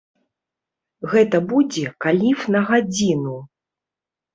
Гэта будзе каліф на гадзіну.